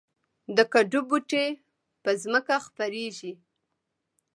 د کدو بوټی په ځمکه خپریږي